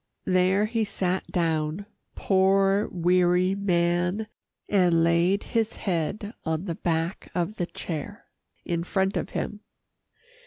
There he sat down poor, weary man, and laid his head on the back of the chair in front of him.